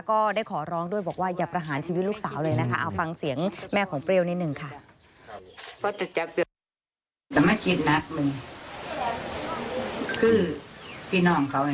ก็ได้ขอร้องด้วยบอกว่าอย่าประหารชีวิตลูกสาวเลยนะคะเอาฟังเสียงแม่ของเปรี้ยวนิดนึงค่ะ